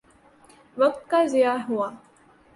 وقت کا ضیاع ہوا۔